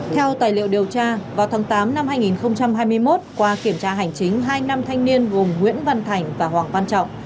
theo tài liệu điều tra vào tháng tám năm hai nghìn hai mươi một qua kiểm tra hành chính hai nam thanh niên gồm nguyễn văn thành và hoàng văn trọng